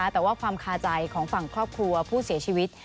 แต่ว่าความคาใจของฝั่งครอบครัวผู้เสียชีวิต